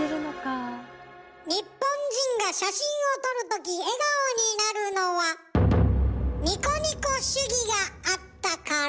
日本人が写真を撮るとき笑顔になるのはニコニコ主義があったから。